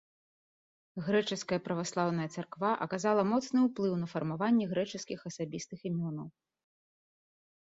Грэчаская праваслаўная царква аказала моцны ўплыў на фармаванне грэчаскіх асабістых імёнаў.